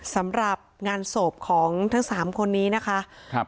สำหรับงานศพของทั้งสามคนนี้นะคะครับ